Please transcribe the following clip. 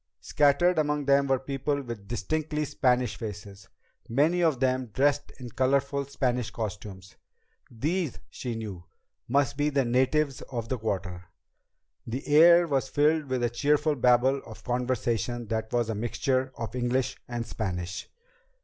Scattered among them were people with distinctly Spanish faces, many of them dressed in colorful Spanish costumes. These, she knew, must be the natives of the Quarter. The air was filled with a cheerful babble of conversation that was a mixture of English and Spanish.